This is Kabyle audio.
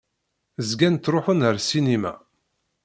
Zgan ttṛuḥun ar ssinima.